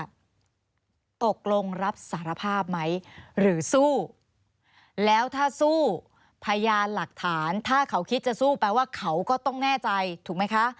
ตกลงรับสารภาพไหมหรือสู้แล้วถ้าสู้พยานหลักฐานถ้าเขาคิดจะสู้แปลว่าเขาก็ต้องแน่ใจถูกไหมคะ